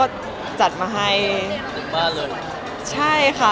คุณผู้จัดการโอเคใช่ไหมครับ